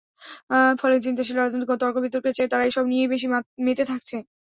ফলে চিন্তাশীল রাজনৈতিক তর্কবিতর্কের চেয়ে তারা এসব নিয়েই বেশি মেতে থাকছে।